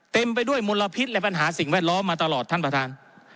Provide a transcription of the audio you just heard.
เต็มไปด้วยมลพิษและปัญหาสิ่งแวดล้อมมาตลอดท่านประธาน